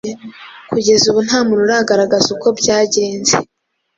Kugeza ubu nta muntu uragaragaza uko byagenze